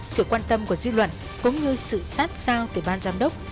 sự quan tâm của dư luận cũng như sự sát sao từ ban giám đốc